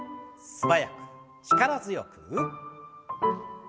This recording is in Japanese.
素早く力強く。